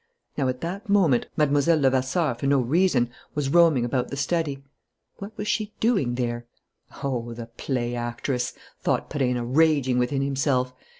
Now, at that moment, Mlle. Levasseur, for no reason, was roaming about the study. What was she doing there? "Oh, the play actress!" thought Perenna, raging within himself.